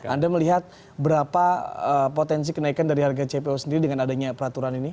anda melihat berapa potensi kenaikan dari harga cpo sendiri dengan adanya peraturan ini